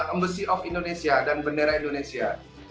embassy of indonesia dan bendera indonesia